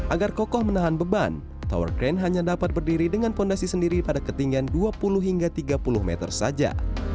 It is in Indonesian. agar kokoh menahan beban tower crane hanya dapat berdiri dengan fondasi sendiri pada ketinggian dua puluh hingga tiga puluh meter saja